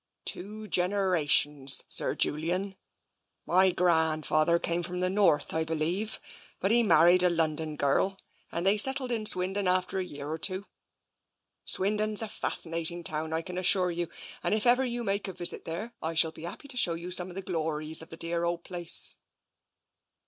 " Two generations. Sir Julian. My grandfather came from the North, I believe, but he married a Lon don gurrel, and they settled in Swindon after a year or two. Swindon is a fascinating town, I can assure you, and if ever you make a visit there I shall be happy to show you some of the glories of the dear old place."